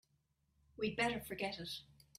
We'd better forget it.